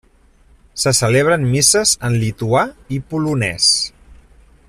Se celebren misses en lituà i polonès.